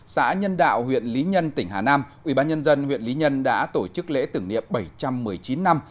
xã nhân đạo huyện lý nhân tỉnh hà nam ubnd huyện lý nhân đã tổ chức lễ tưởng niệm bảy trăm một mươi chín năm